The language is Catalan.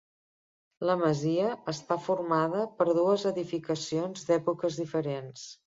La masia està formada per dues edificacions d'èpoques diferents.